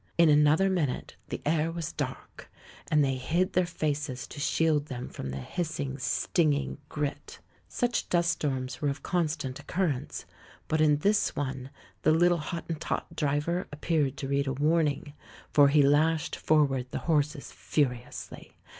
In an other minute the air was dark, and they hid their faces to shield them from the hissing, stinging grit. Such dust storms were of constant occur 142 THE MAN WHO UNDERSTOOD WOMEN pence, but in this one the little Hottentot driver appeared to read a warning, for he lashed for ward the horses furiously.